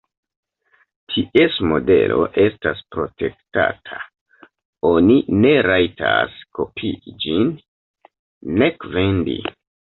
Ties modelo estas protektata: oni ne rajtas kopii ĝin, nek vendi.